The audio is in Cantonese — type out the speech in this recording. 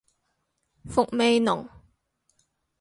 伏味濃